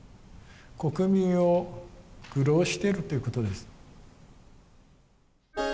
国民を愚弄してるっていうことです。